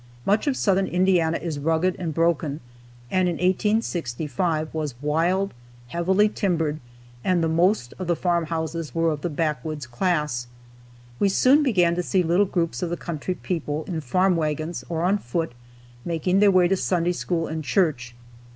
Much of southern Indiana is rugged and broken, and in 1865 was wild, heavily timbered, and the most of the farm houses were of the backwoods class. We soon began to see little groups of the country people, in farm wagons, or on foot, making their way to Sunday school and church.